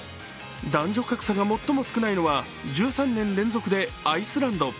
男女格差が最も少ないのは１３年連続でアイスランド。